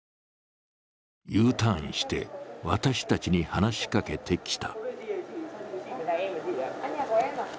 Ｕターンして私たちに話しかけてきた。